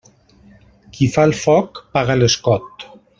Qui fa el foc paga l'escot.